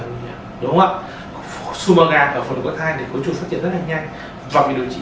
nguy hiểm đúng không ạ có xùi mà gạt ở phụ nữ có thai thì cấu trúc phát triển rất là nhanh và vì điều trị